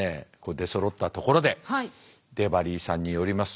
出そろったところでデバリーさんによります